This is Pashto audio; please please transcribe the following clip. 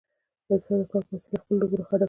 انسان د کار په وسیله خپل نوم روښانه کوي.